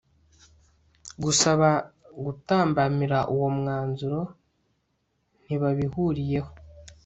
gusaba gutambamira uwo mwanzuro ntibabihuriyeho